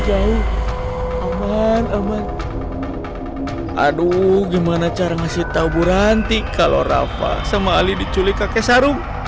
aman aman aduh gimana cara ngasih tahu bu ranti kalau rafa sama ali diculik kakek sarung